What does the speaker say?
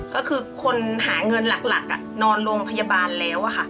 ก็คือคนหาเงินหลักนอนโรงพยาบาลแล้วค่ะ